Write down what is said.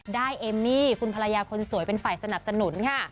เอมมี่คุณภรรยาคนสวยเป็นฝ่ายสนับสนุนค่ะ